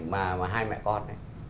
mà hai mẹ con ấy